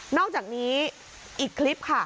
อกจากนี้อีกคลิปค่ะ